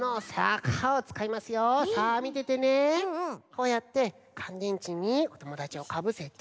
こうやってかんでんちにおともだちをかぶせて。